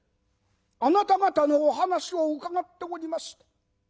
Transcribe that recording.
あなた方のお話を伺っておりまして